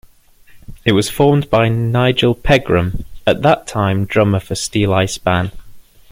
It was formed by Nigel Pegrum at that time drummer for Steeleye Span.